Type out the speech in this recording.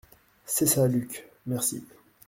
C’est ça, Luc ! merci.